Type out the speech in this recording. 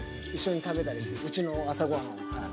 うちの朝ごはんをはい。